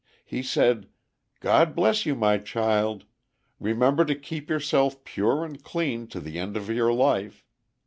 He said, 'God bless you, my child! Remember to keep yourself pure and clean to the end of your life.